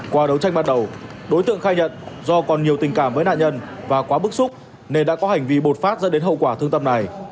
qua đấu tranh ban đầu đối tượng khai nhận do còn nhiều tình cảm với nạn nhân và quá bức xúc nên đã có hành vi bột phát dẫn đến hậu quả thương tâm này